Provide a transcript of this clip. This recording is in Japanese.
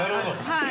はい。